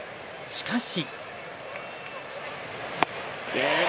しかし。